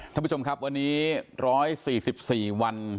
ท่านผู้ชมครับวันนี้ร้อยสี่สิบสี่วัน